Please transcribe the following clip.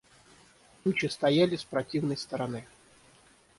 Тучи стояли с противной стороны.